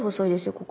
ここ。